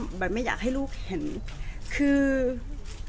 แต่ว่าสามีด้วยคือเราอยู่บ้านเดิมแต่ว่าสามีด้วยคือเราอยู่บ้านเดิม